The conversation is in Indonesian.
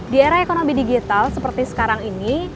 di era ekonomi digital seperti sekarang ini